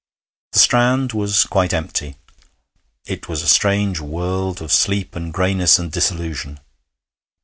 The Strand was quite empty. It was a strange world of sleep and grayness and disillusion.